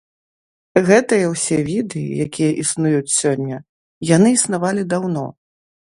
Гэтыя ўсе віды, якія існуюць сёння, яны існавалі даўно.